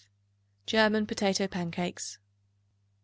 German Potato Pancakes.